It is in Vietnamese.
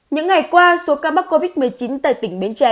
những ngày qua số ca mắc covid một mươi chín tại tỉnh bến tre